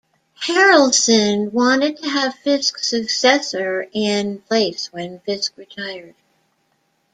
Harrelson wanted to have Fisk's successor in place when Fisk retired.